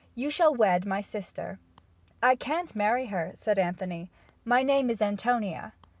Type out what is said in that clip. You shall wed my sister." "I can't marry her," said Anthony. "My name is Antonia."